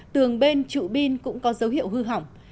tường bên trụ bin cũng có dấu hiệu hư hỏng